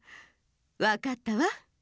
わかったわ。